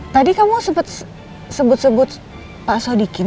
tadi kamu sempat sebut sebut pak sodikin